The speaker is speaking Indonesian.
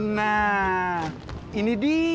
nah ini dia